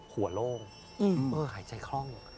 หัวโล่งหายใจคล่อง